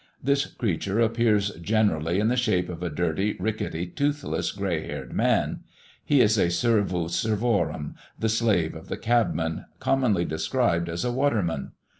This creature appears generally in the shape of a dirty, ricketty, toothless, grey haired man; he is a servus servorum, the slave of the cabmen, commonly described as a "waterman."